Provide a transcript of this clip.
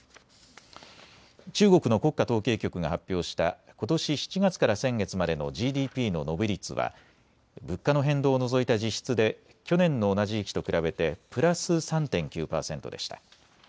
中国の国家統計局が発表したことし７月から先月までのＧＤＰの伸び率は物価の変動を除いた実質で去年の同じ時期と比べてプラス３．９％でした。